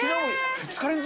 ２日連続？